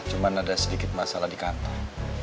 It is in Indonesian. cuma ada sedikit masalah di kantor